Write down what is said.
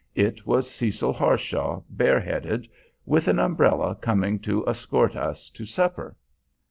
It was Cecil Harshaw, bareheaded, with an umbrella, coming to escort us in to supper.